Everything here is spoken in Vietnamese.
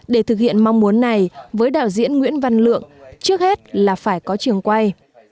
để thực hiện mong muốn này với đạo diễn nguyễn văn lượng trước hết là phải có trường quay